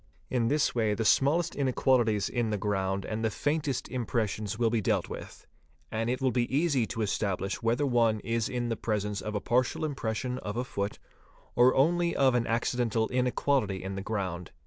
In this way the smallest inequalities in the ground and the faintest impressions will be dealt with, and it will be easy to establish whether one is in the presence of a partial impression of a foot or only of an acci dental inequality in the ground.